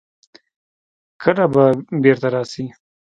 کله به بېرته راسي.